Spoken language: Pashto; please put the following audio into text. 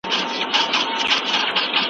پلار مې له مخکي نه مجله غوښتې وه.